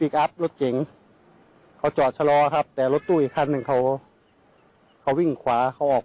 เขาออกเขาคงจะไม่คุ้นเส้นทางหรอก